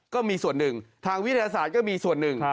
ก็มีส่วนหนึ่งทางวิทยาศาสตร์ก็มีส่วนหนึ่ง